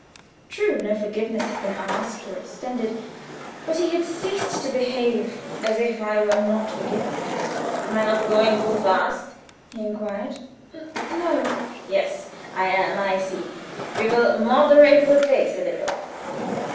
True, no forgiveness had been asked or extended; but he had ceased to behave as if I were not forgiven. "Am I not going too fast?" he inquired. "N no." "Yes, I am, I see. We will moderate the pace a little."